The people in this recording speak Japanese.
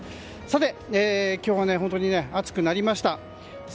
さて今日は本当に暑くなりました。